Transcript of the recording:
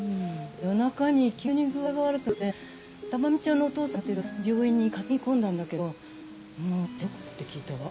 夜中に急に具合が悪くなって珠美ちゃんのお父さんがやってる病院に担ぎ込んだんだけどもう手遅れだったって聞いたわ。